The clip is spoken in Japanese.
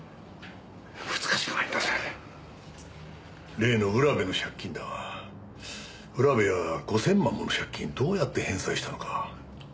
例の浦部の借金だが浦部は５０００万もの借金どうやって返済したのか。